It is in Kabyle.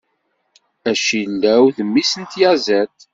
Acillaw d mmi-s n tyaziḍt.